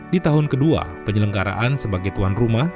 di tahun kedua penyelenggaraan sebagai tuan rumah